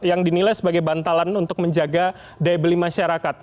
yang dinilai sebagai bantalan untuk menjaga daya beli masyarakat